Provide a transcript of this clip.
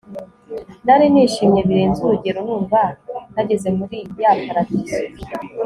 nari nishimye birenze urugero numva nageze muri ya paradizo